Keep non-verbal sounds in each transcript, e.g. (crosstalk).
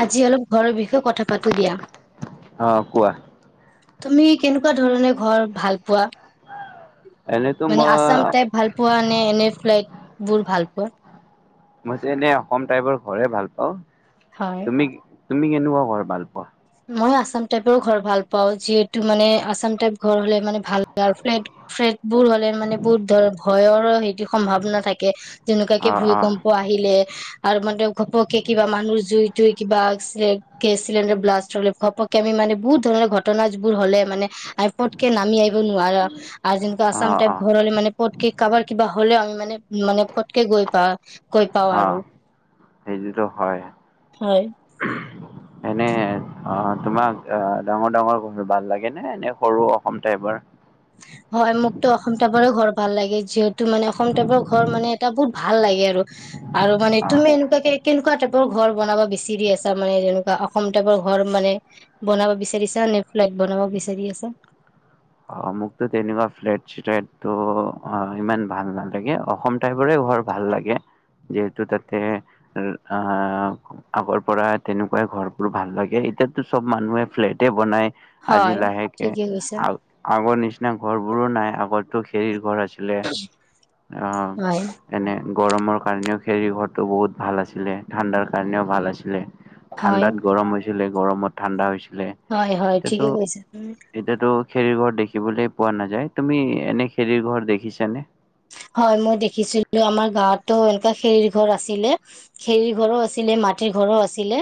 আজি অলপ ঘৰৰ বিষয়ে কথা পাতো দিয়া। অ কোৱা তুমি কেনেকুৱা ধৰণে ঘৰ ভাল পোৱা এনেতো মানে মই আছাম টাইপ ভাল পোৱা নে এনে ফ্লেট? বোৰ ভালপোৱা মই যে এনে অসম টাইপৰ ঘৰে ভাল পাওঁ হয়। তুমি তুমি কেনেকুৱাৱা ঘৰ ভাল পোৱা? মই আছাম টাইপৰ ঘৰ ভাল পাও যিহেতু মানে আছাম টাইপ ঘৰ হলে মানে ভালাল ফ্লেট ফ্লেট বোৰ হলে মানে বহুত ধৰ ভয়ৰ সেই সম্ভাৱনা থাকে যেনেকুৱাকে অ অ ভূমিকম্প আহিলে। আৰু মানে ঘপককে কিবা মানুহ জুই জুই কিবাছিল গেছ চিলিণ্ডাৰ ব্লাষ্ট পকে আমি মানে বহুত ধৰণৰ ঘটনবোৰ হলে মানে আৰু পটকে নামি আহিব নোৱাৰা আৰু যেনেকুৱা অ আছাম টাইপ অ ঘৰ হলে মানে পতকে কাৰোবাৰ কিবা হ'লেও আমি মানে মানে পতকে গৈ পাও অ সেইটোটো হয় হয় এনে অ তোমাক অহ ডাঙৰ ডাঙৰ ঘৰ ভাল লাগে নে এনে সৰু অসম টাইপৰ হয় মোক অসম টাইপৰে ঘৰ ভাল লাগে যিহেতু মানে অসম টাইপৰ ঘৰ মানে এটা বহুত ভাল লাগে আৰু আৰু মানে অ তুমি এনেকুৱাকে কেনেকুৱা টাইপৰ ঘৰ বনাব বিচাৰি আছা মানে যেনেকুৱা অসম টাইপৰ ঘৰ মানে বনাব বিচাৰিছা নে ফ্লেট বনাব বিচাৰি আছা? অ মোকতো তেনেকুৱা ফ্লেট চেল্টটো ইমান ভাল নালাগে অসম টাইপৰে ঘৰ ভাল লাগে যিহেতু তাতে আগৰ পৰা তেনেকুৱাই ঘৰবোৰ ভাল লাগে এতিয়ো চব মানুহে ফ্লেটেই বনাই আজি হয় লাহেকে ঠিকে কৈছা। আগৰ নিচিনা ঘৰ বোৰো নাই আগতো খেৰ ঘৰ আছে। ছিল অ হয় এনে‌ গৰমৰ কাৰণেও খেৰ ঘৰটো বহুত ভাল আছিলে ঠাণ্ডাৰ কাৰণেও ভাল আছিলে। হয় ঠাণ্ডাত গৰম হৈছে ছিলে গৰমত ঠাণ্ডা হৈছে হয় হয় ঠিকেই কৈছে। খেৰি ঘৰ দেখিবলৈ পোৱা নাযায় তুমি এনে খেৰিৰ ঘৰ দেখিছানে হয় মই দেখিছিলো আমাৰ গাঁৱতো এনেুৱা খেৰ ঘৰ আছিলে খেৰিৰ ঘৰো আছিলে মাটিৰ ঘৰো আছিলে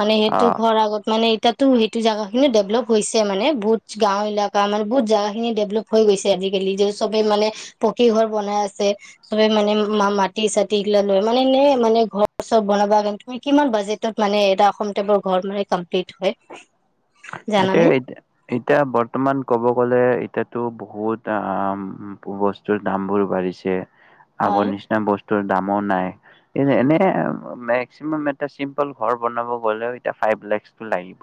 মানে অ সেইটো ঘৰ আগত মানে এই তা সেইটো জোগা খিনিও ডেভেলপ হৈছে মানে বহুত গাঁও এলেকা মানে বহুত জাগগা খিনি ডেভেললপ হৈ গৈছে আজিকালি য চবে মানে পকি ঘৰ বনাই আছে চবে মানে মাটি চাটি এইগিলা লৈ মানে এ মানে ঘৰ চব বনাব কিমান বাজেটত মানে এটা অসম টাইপ ঘৰ মানে কমপ্লিট হয়। জানানে এতিয়া, এতিয়া বৰ্তমান ক'ব। 'কবগলে এতিয়াতো, বহুত বস্তুৰ দামবোৰ বাঢ়িছে। আগৰ হয় নিচিনা বস্তু। দামো নাই এনে মেক্সিমাম এ। চিম্পল ঘৰ বনাব গলেও এতিয়া ফাইভ লাখ লাগিব।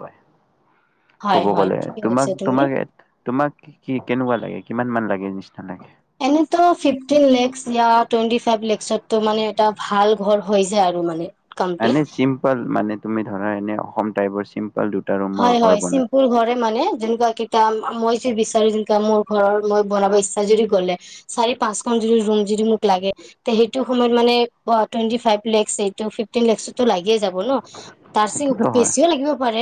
হয় ক'ব হয় গ'লে ঠিকে তোমাক কৈছা তুমি তোমাক এ। তোমাক কি কেনেকুৱা লাগে। কিমান মান লাগে নিচিনা লাগে। এনেতো ফিফটিন লেকচ, য়া টুৱেন্টি ফাইভ লেকচততো মানে এটা ভাল ঘৰ হৈ যায় আৰু মানে। কমপ্লিট মানে, চিম্পল মানে। তুমি ধৰা, এনে অসম টাইপৰ চিম্পল। দুটা ৰুমৰ হয় ঘৰ হয় বনোৱা চিম্পুল ঘৰে মানে, যেনেকুৱা কেইটাম । মই য বিচাৰো যে মোৰ ঘৰৰ মই বনাব ইচ্ছা যদি গলে। চাৰি পাঁচখন যদি ৰুম যদি মোক লাগে তে সেইটো সময়ত মানে, টুৱেনটি ফাইভ লেকচ এইটো ফিফটিন লেকচ। তো, লাগিয়ে যাব ন তাৰছিত সেইটোতো হয় বেছিও লাগিব পাৰে।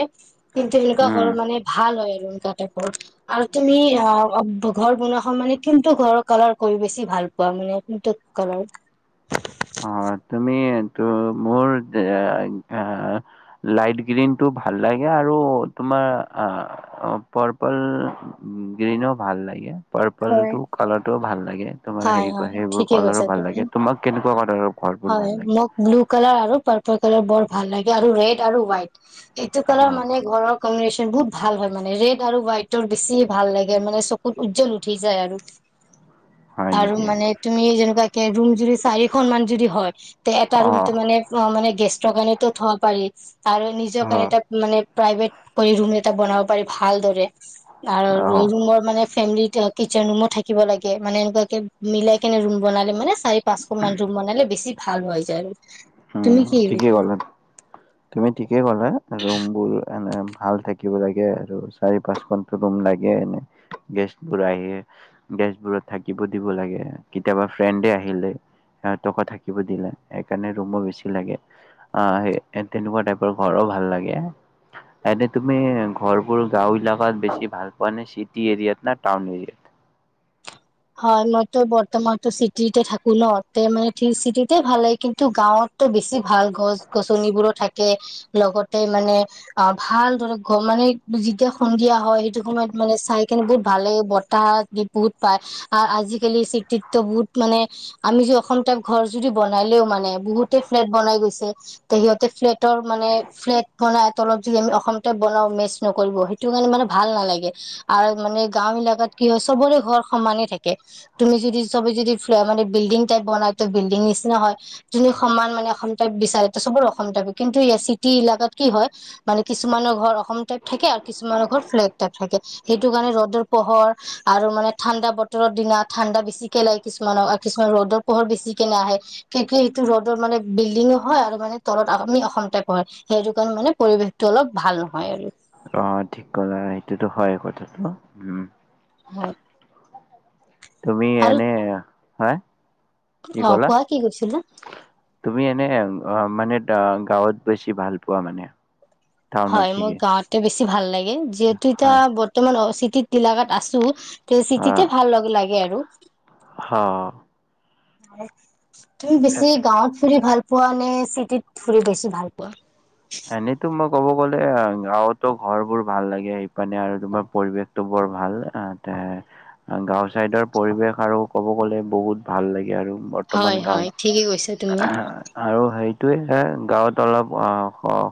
কিন্তু এনেকুৱা ঘৰ উম। মানে ভাল। লয় আৰু এনেকোৱা টাইপৰ আৰু তুমি, অ ঘৰ বনোৱা খন মানে কোনটো ঘৰৰ কালাৰ কৰি বেছি ভাল পোৱা? মানে কোনটো কালাৰ। ত, মোৰ লাইট গ্ৰীণ টো ভাল লাগে। আৰু তোমাৰ পাৰ্পল গ্ৰীণো ভাল লাগে। পাৰ্পল হয় টো, কালাৰটোও ভাল লাগে। তোমাৰ হয় হেৰি হয় সেইবোৰ ঠিকে ক'লাৰো কৈছা ভাল তুমি লাগে তোমাক কেনেকোৱা। হয় মোক, ব্লু কালাৰ আৰু পাৰ্পল। কালাৰ বৰ ভাল, লাগে আৰু ৰেড আৰু হোৱাইট। এইটো কালাৰ অ', মানে ঘৰৰ। বহুত ভাল হয় মানে ৰেড আৰু হোৱাইটৰ বেছি ভাল লাগে। মানে চকুত উজ্জ্বল উঠি যায় আৰু। হয় আৰু নেকি মানে তুমি যেনেকুৱা। কে ৰুম যদি চাৰিখন মান যদি হয়। এটা ৰুম তো অ', মানে, অ মানে। গেষ্টৰ কাৰণে তো থৱা পাৰি। আৰু নিজৰ কাৰণে এটা মানে। প্ৰাইভেট কৰি ৰুম এটা বনাব পাৰি, ভালদৰে। আৰু, অ', ৰুমৰ মানে। ফেমিলিত কিটচেন, ৰুমও থাকিব লাগে মানে। মিলাই কেনে ৰুম বনালে মানে। চাৰি পাঁচ খন মান ৰুম বনালে বেছি ভাল। ভাল হৈ যায় আৰু। উম তুমি কি ঠিকেই কোৱা গ'লা তুমি। ঠিকেই ক'লা ৰুম বোৰ। মানে ভাল থাকিব লাগে আৰু চাৰি পাঁচখনতো ৰুম লাগে এনে গেষ্টবোৰ আহে গেষ্টবোৰো থাকিব দিব লাগে কেতিয়াবা ফ্ৰেণ্ডে আহিলে সিহতকো থাকিব দিলে সেইকাৰণে ৰুম বোৰ বেছি লাগে আহ তেনেকোৱা টাইপৰ ঘৰো ভাল লাগে এনে তুমি ঘৰবোৰ গাঁওবিলাকাত বেছি ভাল পোৱা নে চি টি এৰিয়াত নে টাউন এৰিয়াত হয় মই তো বৰ্তমানতো চিটিতে থাকো ন তে মানে চিটিতে ভাল লাগে কিন্তু গাঁৱতো বেছি ভাল গছ গছনিবোৰো থাকে লগতে মানে অ ভাল ধৰক মানে যেতিয়া সন্ধিয়া হয় সেইটো সময়ত মানে চাই কিনে বহুত ভাল লাগে বতাহ বহুত পাত আজিকালি চিটিততো বহুত মানে আমি যদি অসম টাইপ ঘৰ যদি বনালেও মানে বহুতে ফ্লেট বনাই গৈছে তে সিহতে ফ্লেটৰ মানে ফ্লেট কৰা তলত যদি আমি অসম টাইপ বনাও মেচ নকৰিব সেইটো কাৰণে মানে ভাল নালাগে আৰু মানে গাওঁবিলাকাত কি হয় চবৰে ঘৰ সমানে থাকে তুমি যদি সবে যদি ফ মানে বিল্ডিং টাইপ বনাই তো বিল্ডিং নিচিনা হয় তুমি সমান মানে অসম টাইপ বিচাৰে তো চবৰ অসম টাইপ কিন্তু ই চিটি ইলকাত কি হয় মানে কিছুমানৰ ঘৰ অসম টাইপ থাকে আৰু কিছুমানৰ ঘৰ ফ্লেগ টাইপ থাকে সেইটো কাৰণে ৰ'দৰ পোহৰ আৰু মানে ঠাণ্ডা বতৰৰ দিনা ঠাণ্ডা বেছিকে লাগে কিছুমানক কিছুমান ৰ'দৰ পোহৰ বেছিকে নাহে কিয় কি ৰ'দৰ মানে বিল্ডিঙো হয় আৰু মানে তলত আমি অসম টাইপ হয় সেইটো কাৰণে মানে পৰিৱেশটো অলপ ভাল নহয় আৰু অ ঠিক কলা সেইটোতো হয় কথাটো উম হয় তুমি আৰু এনে হয় কি অ কলা কোৱা কি কৈছিলা তুমি এনে মানে এ গাঁৱত বেছি ভাল পোৱা মানে টাউনত হয় মোৰ গাঁৱতে বেছি বেছি ভাল লাগে যিহেতু এতিয়া হয় বৰ্তমান অ চিটি ইলাাকাত আছো তে চিটিতে ভাল লগ লাগে আৰু হা হয় (unintelligible) তুমি বেছি গাঁৱত ফুৰি ভাল পোৱা নে চিটিত ফুৰি বেছি ভাল পোৱা এনেতো মই ক'ব গ'লে গাঁৱতো ঘৰ বোৰ ভাল লাগে সিপিনে আৰু তোমাৰ পৰিৱেশতটো বৰ ভাল গাঁও চাইদৰ পৰিৱেশ আৰু কব গ'লে বহুত ভাল লাগে আৰু বৰ্তমান হয় হয় গাঁওত ঠিকে কৈছা তুমি আৰু সেই সেইটোৱে গাঁৱত অলপ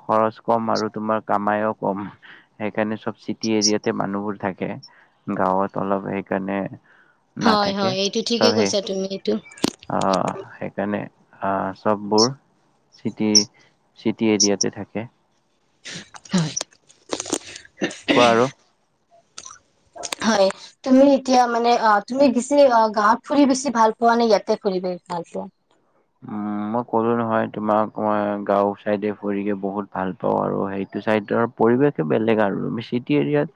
খৰচ কম আৰু তোমাৰ কামাইয়ো কম সেইকাৰণে চব চিটি এৰিয়াতে মানুহবোৰ থাকে গাঁৱত অলপ সেইকাৰণে হয় নাথাকে হয় এইটো ঠিকে চবেই কৈছা তুমি এইটো আহ সেইকাৰণে আ চববোৰ চিটি চিটি এৰিয়াত থাকে হয় কোৱা আৰু হয় তুমি এতিয়া মানে অ তুমি বেছি গাঁৱত ফুৰি বেছি ভাল পোৱা নে ইয়াতে ফুৰি ভাল পোৱা উম মই কলো নহয় তোমাক গাঁও চাইডে ফুৰিে বহুত ভাল পাওঁ আৰু সেইটো চাইডৰ পৰিৱেশ বেলেগ আৰু চিটি এৰিয়াত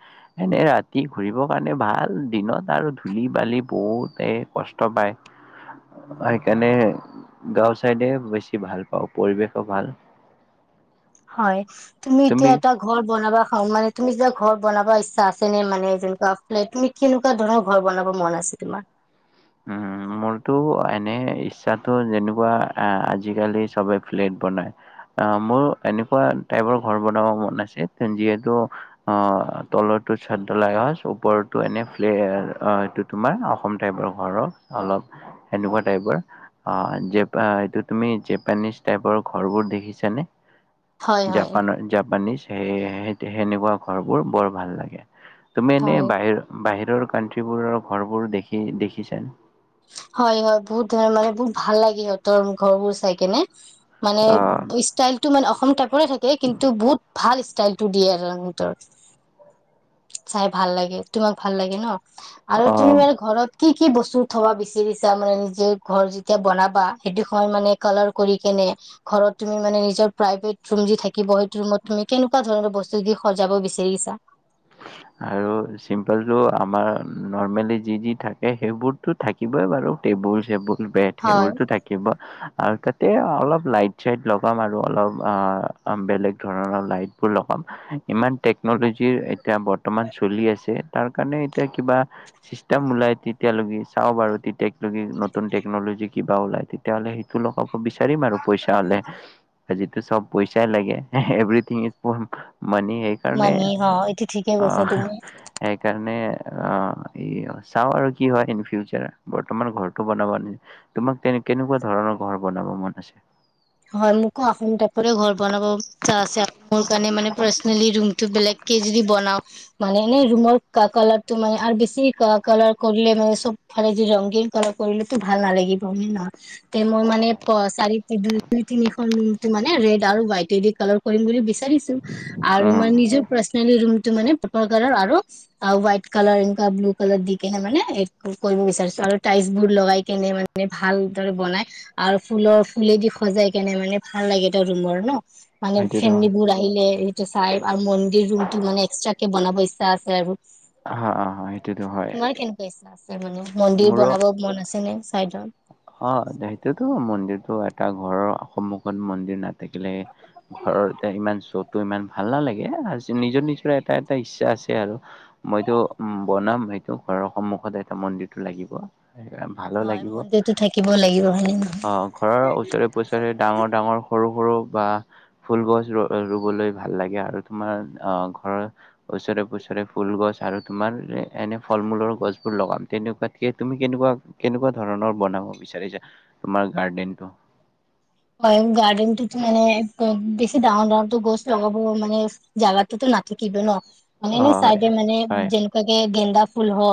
এনে ৰাতি ঘুৰিবৰ কাৰণে ভাল দিনত আৰু ধূলি বালি বহুতে কষ্ট পায় সেইকাৰণে গাঁও চাইডে বেছি ভাল পাওঁ পৰিৱেশো ভাল হয় তুমি এতিয়া এটা ঘৰ বনাবা মানে তুমি যা ঘৰ বনাব ইচ্ছা আছে নে মানে যেনেকুৱা তুমি কেনেকুৱা ধৰণৰ ঘৰ বনাব মন আছে তোমাৰ উ মোৰতো এনে ইচ্ছাটো যেনেকুৱা আহ আজিকালি চবে ফ্লেট বনাই আহ মোৰ এনেকুৱা টাইপৰ ঘৰ বনাব মন আছে যিহেতু অ তলতো চটধালাই ওপৰতো এনে্ এইটো তোমাৰ অসম টাইপৰ অলপ অলপ এনেকুৱা টাইপৰ অ জেপি এইটো তুমি জেপেনিচ টাইপৰ ঘৰবোৰ দেখিছানে হয় হয় জাপানৰ জাপানিছ সেই স সেনেকুৱা ঘৰবোৰ বৰ ভাল লাগে তুমি এনেই হয়, বাহিৰ বাহিৰ কানট্ৰ্ৰীবোৰৰ ঘৰবোৰ দেখি দেখিছে। (inaudible) হয় হয় বহুত ধুনীয়া মানে বহুত ভাল লাগে সিহঁতৰ ঘৰবোৰ চাই কেনে। মানে অ', ষ্টাইলতটো মানে অসম টাইপৰে থাকে কিন্তু বহুত ভাল ষ্টাইলটো দিয়ে হিহতৰ চাই ভাল লাগে তোমাক ভাল লাগে ন আৰু তুমি অ', এই ঘৰত কি কি বস্তু থব বিচাৰিছা মানে নিজে ঘৰ যেতিয়া বনাবা সেইটো সময়ত মানে কালাৰ কৰি কেনে ঘৰত তুমি মানে নিজৰ প্ৰাইভেট ৰুম যে থাকিব সেই ৰুমত তুমি কেনেকুৱা ধৰণৰ বস্তু দি সজাব বিচাৰিছা? আৰু চিম্পল টো আমাৰ নৰ্মেলি যি যি থাকে সেইবোৰতো থাকিবই বাৰু টেবুল চেবুল। বেট হয়, সেইবোৰতো থাকিব। আৰু তাতে অলপ লাইট চাইট লগাম আৰু অলপ বেলেগ ধৰণৰ লাইট বোৰ লগাম ইমান টেকনলজিৰ। এতিয়া বৰ্তমান চলি আছে তাৰ কাৰণে এতিয়া কিবা চিষ্টেম ওলাই তেতিয়ালৈকে চাও বাৰু তেতিয় নতুন টেকনলজি কিবা ওলাই তেতিয়াহলে সেইটো লগাব বিচাৰিম আৰু পইচা হলে যিটো চব পইচাই লাগে এভথিং ইজ। মানে সেইকাৰণে মানি অ', এইটো ঠিকে কৈছা তুমি অঁ অঁ ই অ চাও আৰু কি হয় ইন ফিউচাৰ বৰ্তমান ঘৰটো বনাব তোমাক কে কেনেকুৱা ধৰণৰ ঘৰ বনাব মন আছে? হয় মোকো আচাম টাইপৰে ঘৰ বনাব ই্ছা আছে আৰু মোৰ কাৰণে মানে পাৰ্চনেলি ৰুমটো বেলেগকে যদি বনাও মানে এনে ৰুমৰ কালাৰটো মানে আৰু বেছি কালাৰ কৰিলে অম চব ফালে যদি ৰংগীন কালাৰ কৰিলেটো ভাল নালাগিব হয়নে নহয়। মই মানে প চাৰি (unintelligible) তিনিখন ত মানে ৰেড আৰু হোৱাইটেদি কালাৰ কৰিম বুলি বিচাৰিছো। আৰু উম, মই নিজৰ প্ৰচ মোৰ ৰুমটো মানে পাৰপল কালাৰ আৰু আৰু হোৱাইট কালাৰ এনকা ব্লু কালাৰ দি কেনে মানে এটো কৰিব বিছাৰিছো আৰু টাইলছ বোৰ লগাই কিনে মানে ভালদৰে বনাই আৰু ফুলৰ ফুলেদি সজাই কেনে মানে ভাল লাগে ত ৰুমৰ ন। মানে সেইটোতো ফেমিলি হয়। বোৰ আহিলে। চাই আৰু মন্দিৰ ৰুম টো মানে এক্সট্ৰাকে বনাব ইচ্ছা আছে আৰু হা, হা, সেইটোতো হয় তোমাৰ কেনেকুৱা ইচ্ছা আছে মানে মন্দিৰ মোৰো বনাব মন আছেনে চাইডত অ সেইটো তো মন্দিৰটো এটা ঘৰৰ সন্মুখত মন্দিৰ নাথাকিলে ঘৰৰ এ ইমান শ্বটো ইমান ভাল নালাগে আৰু নিজৰ নিজৰ এটা এটা ইচ্ছা আছে আৰু মইতো বনাম সেইটো ঘৰৰ সন্মুখত এটা মন্দিৰটো লাগিব সেইকাৰণে ভালো হয় লাগিব মন্দিৰতো থাকিব লাগিব হয় নে নহয় অ ঘৰৰ ওচৰে পজৰে ডাঙৰ ডাঙৰ সৰু সৰু বা ফুল গছ ৰ ৰুবলৈ ভাল লাগে আৰু তোমাৰ অ ঘৰৰ ওচৰে পজৰে ফুল গছ আৰু তোমাৰ এনে ফল মূলৰ গছবোৰ লগাম তেনেকুৱাতকে তুমি কেনেকুৱা কেনেকুৱা ধৰণৰ বনাব বিচাৰিছা তোমাৰ গাৰ্ডেনটো হয় গাৰ্ডেনটোত মানে বেছি ডাঙৰ ডাঙৰো গছ লগাব মানে জাগাটোতো নাথাকিব ন। মানে নো অ', হয়, চাইদে মানে হয়। যেনেকুৱাকে গেন্দা ফুল হ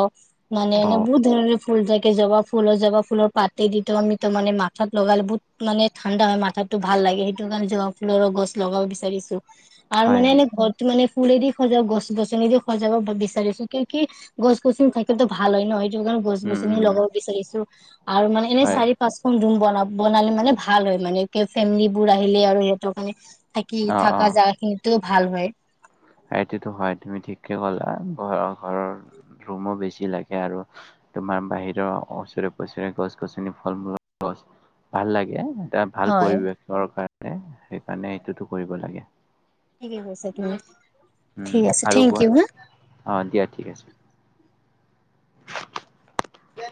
মানে এনে অ'। বহুত ধৰণৰ ফুল জাকে জবা ফুলৰ জবা ফুলৰ পাতে দি তো আমি তাৰ মানে মাথাত লগালে বহুত মানে থানদা হয় মাথাতো ভাল লাগে সেইটো কাৰণ জবা ফুলৰ গছ লগাব বিচাৰিছো । আৰু হয়, মানে হয়, এনে ঘৰটো মানে ফুলদি সজাব গছ গছনি দি সজাব বিচাৰিছো কি কি গছ গছনি থাকলে ভাল হয় ন? য গছ উম, গছনি উম, লগাব বিচাৰিছো । (inaudible) আৰু মানে এনেই হয়। চাৰি পাঁচখন ধুম বন নবনালে মানে, ভাল হয় মানে ক ফেমিলী বোৰ আহিলে আৰু সিহঁতক মানে থাকি থকা জোগা খিনি তেও ভাল হয় সইটোটোহয় তুমি ঠিককে কলা, ঘৰৰ ঘৰৰ ৰুমো বেছি লাগে আৰু তোমাৰ বাহিৰৰ ওচৰে পজৰে গছ গছনি ফল মূলৰ গছ ভাল লাগে । এটা ভাল হয় পৰিৱেশৰ কাৰ হ সেইকাৰণে এইটোতো কৰিব লাগে । ঠিকে কৈছা তুমি ঠিক আছে আৰু থেংক কোৱা ইউ হা অঁ দিয়া ঠিক আছে । যা